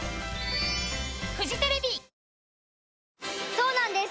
そうなんです